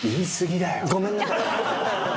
ごめんなさい。